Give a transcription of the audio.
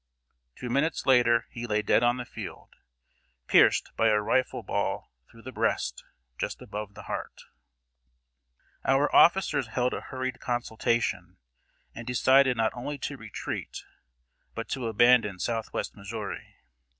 Two minutes later he lay dead on the field, pierced by a rifle ball through the breast, just above the heart. Our officers held a hurried consultation, and decided not only to retreat, but to abandon southwest Missouri.